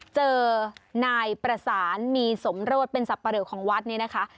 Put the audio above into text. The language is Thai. เจอนายประสานมีสมโรธเป็นสับปะเหลอของวัดนี้นะคะ